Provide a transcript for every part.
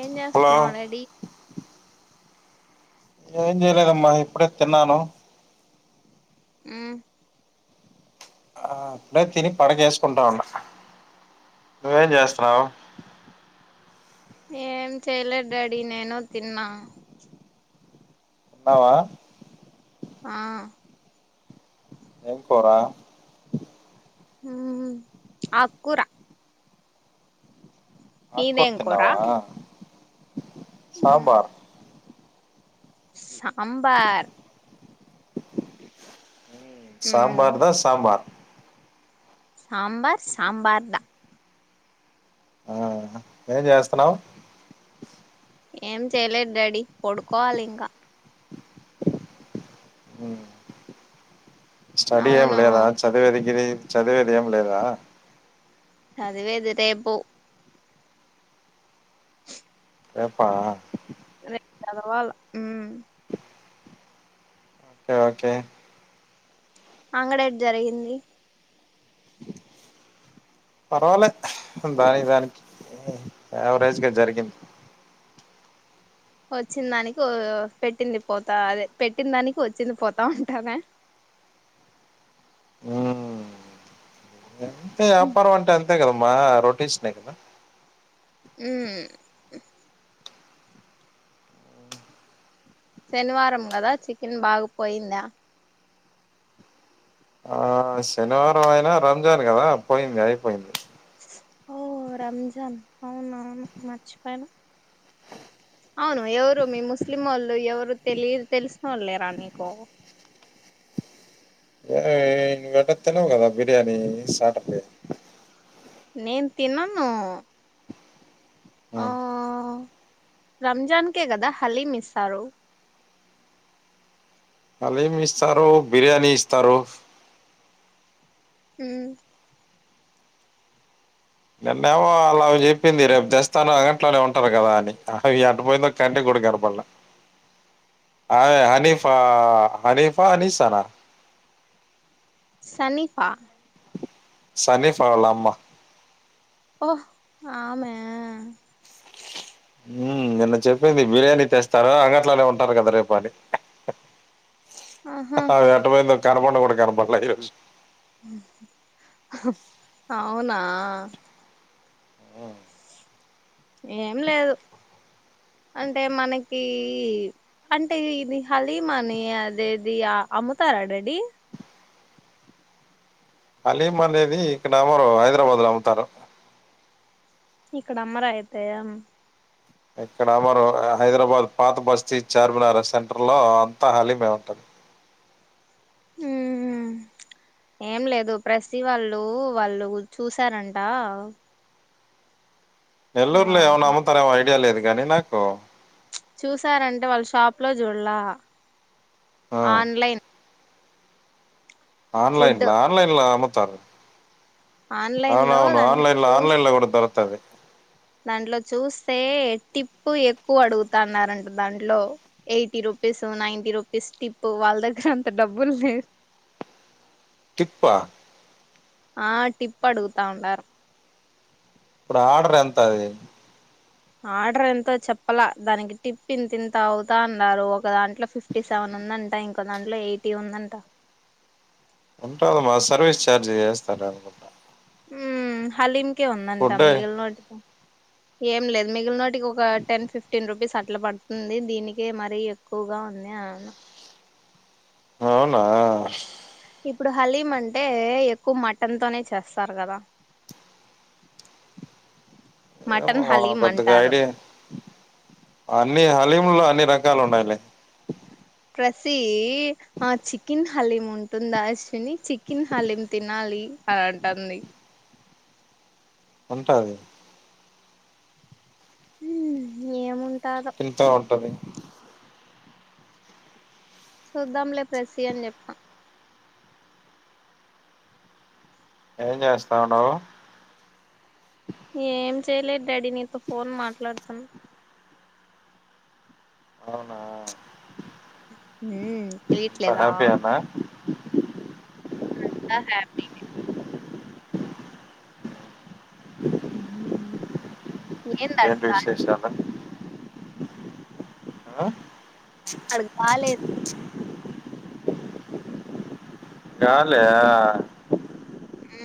ఏం హలో చేస్తున్నావు డాడీ ఏం చేయలేదమ్మా ఇప్పుడే తిన్నాను ఆ ఆ అప్పుడే తిని పడకేసుకుంటా ఉన్న నువ్వేం చేస్తున్నావు ఏం చెయలేదు డాడీ నేను తిన్నా ఉన్నావా ఆ ఏం కూరా హ్మ్ హు ఆక్ కూర ఆకుర్ ఇదేం కూర తిన్నావా సాంబార్ సాంబార్ మ్మ్ సాంబార్దా సాంబార్ సాంబార్ సాంబార్దా ఆ ఏం చేస్తున్నావు ఏం చేయలేద్ డాడీ పడుకోవాలి ఇంకా హ్మ్ స్టడి ఏం అవును లేదా చదివెదిగిరి చదివేదేం లేదా చదివేది రేపు రేప్పా రెప్ చదవాల హ్మ్ ఓకే ఓకే అంగడేట్ జరిగింది. పర్వాలే దాని దానికి యావరేజ్గా జరిగింది. వచ్చిన్ దానికి పెట్టింది పోతా అదే పెట్టిన్ దానికి వచ్చింది పోతాం అంటానా హ్మ్ గంతే వ్యాపారం అంటేన్ అంతేకదామా రొటేషన్ కదా హ్మ్ శనివారం కదా చికెన్ బాగు పోయిందా ఆ శనివారం అయినా రంజాన్ కదా పోయింది అయిపోయింది. ఓ రంజాన్ అవునావును మర్చిపోయాన్ అవును ఎవరు మీ ముస్లిం వోళ్ ఎవరు తెలి తెలిసినోళ్లు లేరా నీకు [unintelligible] కదా బిర్యానీ సట [unintelligible] నేన్ తినను ఆ రంజాన్ కె కదా హలీమ్ ఇస్తారు. హలీమ్ ఇస్తారు బిర్యాని ఇస్తారు. హ్మ్ నిన్నేమో అలావ్ చెప్పింది రేపు తెస్తాను అది గట్లనే ఉంటాది కదా అని అవి అటుపోయిందో కంటి కూడా కనపళ్ళే ఆమె హనీఫా హనీఫా అనీస్తానా సనీఫా సనీఫ వాళ్ళమ్మా ఓ ఆమె హ్మ్ నిన్న చెప్పింది బిర్యానీ తెస్తారా అంగట్లోనే ఉంటారు కదా రేపు అని ఆహా [unintelligible] కనపడ్ను గూడ కనపల్లే ఈరోజు అవునా [inaudible] ఏం లేదు. అంటే మనకీ అంటే ఇది హలీమని అదేది ఆ అమ్ముతారా రెడీ హలీం అనేది ఇక్కడమ్మరూ హైదరాబాదు లో అమ్ముతారు. ఇక్కడమ్మరా అయితే ఇక్కడమ్మరూ హైదరాబాద్ పాత బస్తీ చార్మినార్ సెంటర్ లో అంతా హలీమే ఉంటది. మ్మ్ ఏం లేదు ప్రస్సి వాళ్ళు వాళ్ళు చూసారంట ఆ ఏళ్లర్లే అవునమ్ముతారేమో ఐడియాలేదు. గనీ నాకు చూసారంటే వాళ్లు షాప్ లో చూడలా ఆ ఆన్లైన్ ఫుడ్ ఆన్లైన్లా ఆన్లైన్లా మో త్తర్ ఆన్లైన్ లో అవునవును దాంట్లో ఆన్లైన్ల చూ ఆన్లైన్లల కూడా దొరుతది దాంట్లో చూస్తే టిప్పు యెక్కువడుగుతన్నారంట దాంట్లో eighty rupees ninety rupees tip వాళ్ దగ్గర అంత డబ్బుల్లేవ్ టిప్పా ఆ టిప్పడుగుతా ఉండారు. ఇప్పుడు ఆర్డర్ ఎంత అది ఆర్డర్ ఎంతో చెప్పలా దానికి టిప్ ఇంతిన్త అవుతా అన్నారు. ఒక దాంట్లో ఫిఫ్టీ సెవెన్ ఉందంట ఇంకో దాంట్లో ఎయిటీ ఉందంట. ఉంటాదమ్మ సర్వీస్ ఛార్జ్ యేస్తారనుకుంట. మ్మ్ హలీం కె ఉందంటా మిగిల్నోటికి ఏం లేదు మిగిల్నో టికొక టెన్ ఫిఫ్టీన్ రూపీస్ ఇట్ల పడుతుంది దీనికే మరీ యేక్కువగా ఉంది అన్న అవునా ఇప్పుడు హలీం అంటే ఎక్కువ మటన్ తోనే చేస్తారు గదా. ఏమోమా నాకంతగా ఐడియా అన్ని హలీం లో అన్ని రకాలున్నాయిలె ప్రసీ ఆ చికెన్ హలీం ఉంటుందా అశ్విని చికెన్ హలీం తినాలి అనంటన్ది. ఉంటాది మ్మ్ యేమున్ తింతా ఉంటది. చూద్దాంలె ప్రసీ అని చెప్ప. ఏం చేస్తా ఉండావు. ఏం చేయలేద్ డాడీ నీతో ఫోన్ మాట్లాడుతున్న. అవునా హ్మ్మ్ అంత తెలియట్లేదా హ్యాపీయేనా [inaudible] అంతా [inaudible] ఏంది ఆడ ఏంటి గాలి విశేషాలు అ అడుకి బాలేదు గాల హ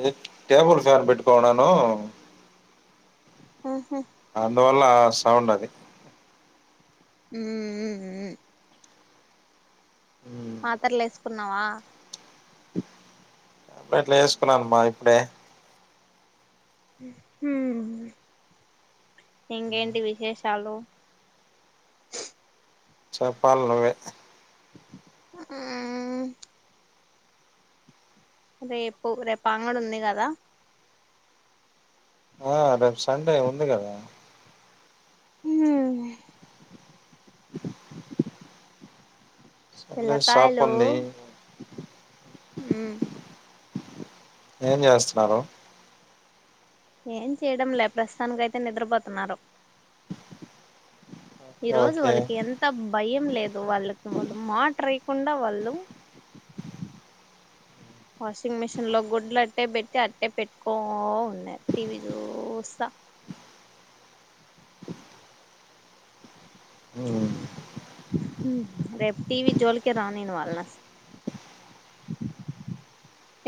ఏ టేబుల్ ఫ్యాన్ పెట్టుకోన్నాను ఆహా అందువల్ల సౌండ్ అది హూ ఊ ఊ మాత్రర్లేసు కున్నావా ఇట్లా చేేసుకున్నానుమ్మా ఇప్పుడే [inaudible] ఇంగేంటి విశేషాలు [unintelligible] చెప్పాలి నువ్వే ఆ రేపు రేపు అంగడి ఉంది కదా ఆ రేపు సండే ఉంది కదా హ [inaudible] సండే పిల్లకాయలు షాపుంది [inaudible] ఉమ్ ఏం చేస్తున్నారు ఏం చేయడం లే ప్రస్తుతానికి అయితే నిద్రపోతున్నారు ఈ రోజు ఓకే వాళ్ళకి ఎంత భయం లేదు వాళ్ళకి మాట్ రే కుండా వాళ్ళు వాషింగ్ మిషిన్ లో గుడ్లు అట్టే పెట్టి అట్టే పెట్టుకో ఉన్నారు టీవీ చూస్తా ఉమ్, రేపు టీవీ జోలికే రానివ్వను వాళ్ళని అసలు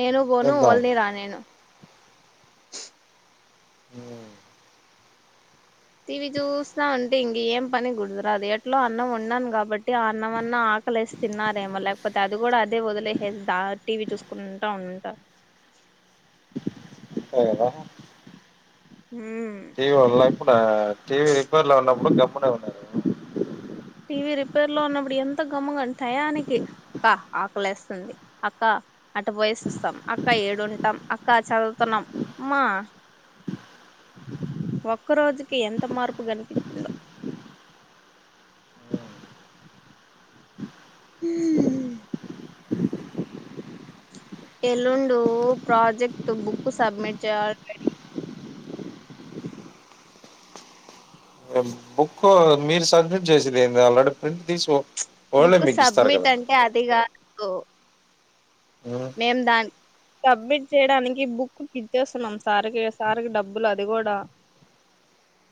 నేను పోను చూద్దాం ఓలినీ రానిను ఉమ్, టీవీ చూస్తా ఉంటే ఇంక ఏం పని గురుతురాదు ఎట్లా అన్నం వండాను కాబట్టి ఆ అన్నమన్న ఆకలిసి తిన్నారేమో లేకపోతే అది కూడా అదే వదిలేసే దా టీవీ చూసుకుంటా ఉంటా అధా టీవి వల్ లైఫ్ మన టీవి రిపేర్ లో ఉన్నప్పుడు గమ్మునే ఉన్నారు టీవీ రిపేర్ లో ఉన్నప్పుడు ఎంత గమ్ముగా టయానికి అక్క ఆకలేస్తుంది అక్క అటు పోయేసి వస్తాం అక్క ఏడుంటాం అక్క చదువుతున్నాం మా ఒక్క రోజుకి ఎంత మార్పు కనిపించిందో ఎల్లుండి ప్రాజెక్ట్ బుక్ సబ్మిట్ చేయాలే బుక్ మీరు సబ్మిట్ చేసిరి ఏంది అల్ రెడీ ప్రింట్ తీసుకో బుక్ సబ్మిట్ అంటే అదిగాదు గో ఉమ్. మేము దాని సబ్మిట్ చేయడానికి బుక్ కి ఇచ్చేస్తున్నాం సార్ కి సార్ డబ్బులు అది కూడా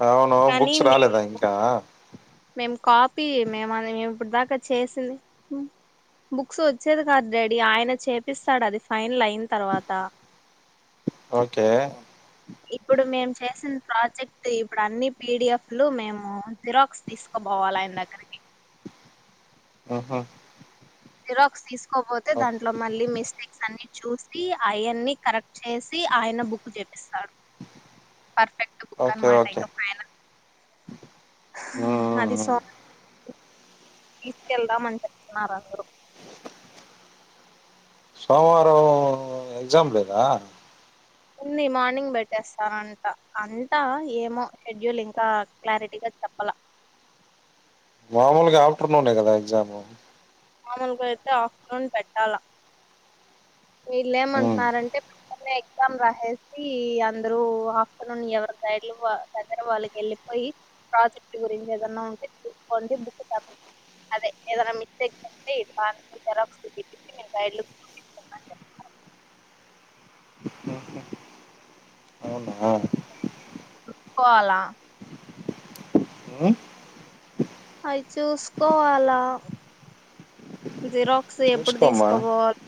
అవునవును కానీ బుక్స్ రాలేదా కా మేం కాపీ మేము ఇప్పుడిదాకా చేసింది. బుక్స్ వచ్చేది కాదు. డాడీ ఆయన చేపిస్తాడు అది ఫైనల్ అయిన తర్వాత ఓకే ఇప్పుడు మేము చేసిన ప్రాజెక్ట్ ఇప్పుడు అన్ని పీ డి ఎఫ్ లు మేము జిరాక్స్ తీసుకోపోవాలి ఆయన దగ్గరకి ఆహ జీరాక్స్ తీసుకపోతే దాంట్లో మళ్ళీ మిస్టేక్స్ అన్ని చూసి అయన్ని కరెక్ట్ చేసి ఆయన బుక్ చేపిస్తాడు పర్ఫెక్ట్ బుక్ ఓకే అన్నమాట ఓకే ఇంకా పైన ఉమ్ అది సా తీసుకెళ్దామని చెప్తున్నారు అందరూ సోమవారం ఎగ్జామ్ లేదా ఉంది మార్నింగ్ పెట్టేస్తారంట అంట ఏమో షెడ్యూల్ ఇంకా క్లారిటీగా చెప్పల మామూలుగా ఆఫ్టర్నూన్ కదే ఎగ్జామ్ మామూలుగా అయితే ఆఫ్టర్నూన్ పెట్టాలా వీళ్ళు ఉమ్ ఏమంటున్నారంటే [unintelligible] ఎగ్జామ్ రాసేసి అందరు ఆఫ్టర్నూన్ ఎవరి సైడ్లు దగ్గర వాళ్ళకి వెళ్ళిపోయి ప్రాజెక్ట్ గురించి ఏదన్న ఉంటే చుసుకోండి. బుక్ [unintelligible] అదే ఏదైనా మిస్టేక్ పర తరఫ బుక్ గైడ్లు అవునా పోలా ఉమ్ అవి చూసుకోవాలా జీరో క్స్ ఎప్పుడు చూసుకోమ్మా తీసుకుపోవాలి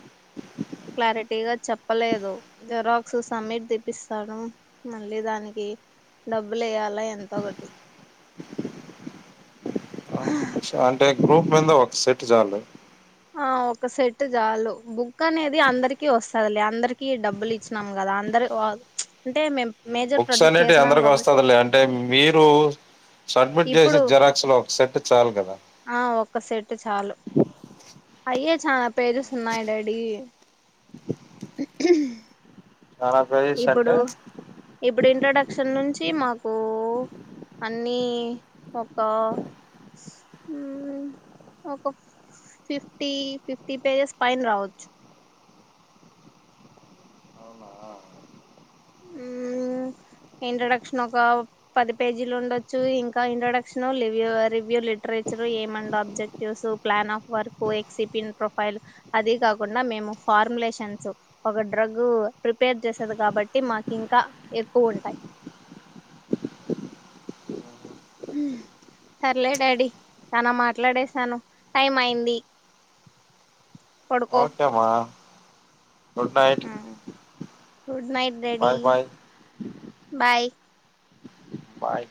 క్లారిటీగా చెప్పలేదు. జెరాక్స్ సమ్మిట్ తీపిస్తాడు మళ్ళీ దానికి డబ్బులు వేయాలా ఎంతో ఒకటి హ క్స్ అంటే గ్రూప్ మింద ఒక సెట్ చాలు ఆ ఒక సెట్ చాలు బుక్ అనేది అందరికిీ వస్తాదిలే అందరికి డబ్బులు ఇచ్చినాం కదా అందరు అంటే మేం మేజర్ బుక్స్ ప్రాజెక్ట్ అనేటివి చేసినాం అందరికి కాబట్టి వస్తాదిలే అంటే మీరు సబ్మిట్ చేసే ఇప్పుడు జిరాక్స్ లో ఒక సెట్ చాలు కదా ఒక సెట్ చాలు అయే చాలా పేజెస్ ఉన్నాయి డాడీ నానా ప్రదేశ అంటే ఇప్పుడు ఇప్పుడు ఇంట్రడక్షన్ నుంచి మాకు అన్నీ ఒక మ్మ్ ఒక ఫిఫ్టీ ఫిఫ్టీ పేజెస్ పైన రావచ్చు మ్మ్ ఇంట్రొడక్షన్ ఒక పది పేజీలు ఉండొచ్చు ఇంకా ఇంట్రొడక్షన్ ఒక లివ్యూ రివ్యూ లిటరేచర్ ఏమండ objectives plan of work ఎక్సిపిన్ profile అది కాకుండా మేము ఫార్ములేషన్స్ ఒక డ్రగ్ ప్రిపేర్ చేసేది కాబట్టి అంటే మాకు ఇంకా ఎక్కువ ఉంటాయి సర్లే డాడీ చానా మాట్లాడేసాను టైం అయింది పడుకో ఓకే మ్మా good night good night daddy bye bye bye bye